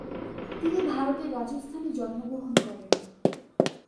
তিনি ভারতের রাজস্থানে জন্মগ্রহণ করেন।